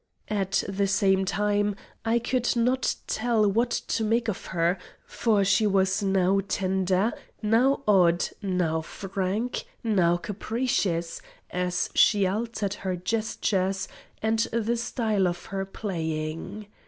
At the same time, I could not tell what to make of her, for she was now tender, now odd, now frank, now capricious, as she altered her gestures and the style of her playing.